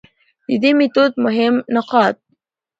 د دې ميتود مهم نقاط: